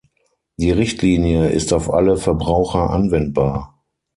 Die Richtlinie ist auf alle Verbraucher anwendbar.